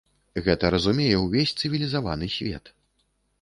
Гэта разумее ўвесь цывілізаваны свет.